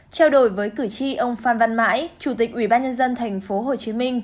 trao đổi với cử tri ông phan văn mãi chủ tịch ủy ban nhân dân tp hcm